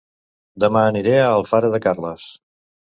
Dema aniré a Alfara de Carles